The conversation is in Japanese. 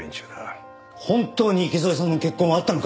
本当に池添さんの血痕はあったのか？